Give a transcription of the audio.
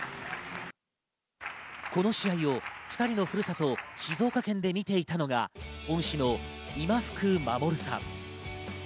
この試合を２人のふるさと・静岡県で見ていたのが恩師の今福護さん。